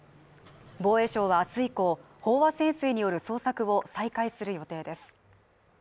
防衛省は明日以降飽和潜水による捜索を再開する予定です。